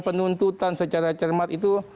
penuntutan secara cermat itu